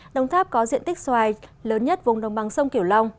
đồng tháp có diện tích xoài lớn nhất vùng đồng bằng sông kiểu long